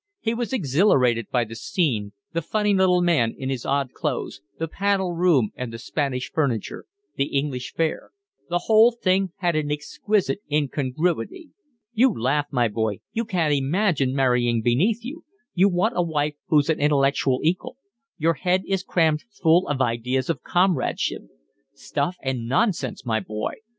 He was exhilarated by the scene, the funny little man in his odd clothes, the panelled room and the Spanish furniture, the English fare: the whole thing had an exquisite incongruity. "You laugh, my boy, you can't imagine marrying beneath you. You want a wife who's an intellectual equal. Your head is crammed full of ideas of comradeship. Stuff and nonsense, my boy!